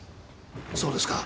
そうですか。